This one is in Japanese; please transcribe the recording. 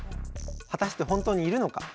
果たして本当にいるのか？